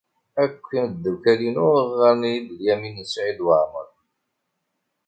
Akk imeddukal-inu ɣɣaren-iyi-d Lyamin n Saɛid Waɛmeṛ.